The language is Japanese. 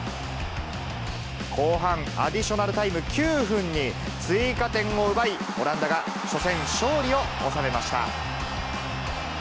後半アディショナルタイム９分に、追加点を奪い、オランダが初戦勝利を収めました。